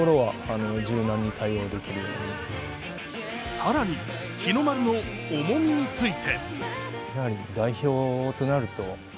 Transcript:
更に、日の丸の重みについて。